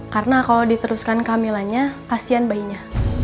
karena kalau diteruskan kehamilannya kasihan bayinya